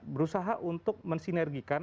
berusaha untuk mensinergikan